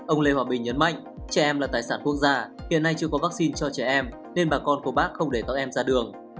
ông lê hòa bình nhấn mạnh trẻ em là tài sản quốc gia hiện nay chưa có vaccine cho trẻ em nên bà con của bác không để các em ra đường